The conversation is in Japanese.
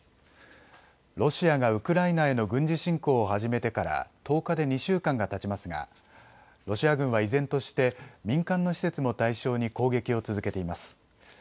ロシアがウクライナへの軍事侵攻を始めてから１０日で２週間がたちますがロシア軍は依然として民間の施設も対象に攻撃を続けています。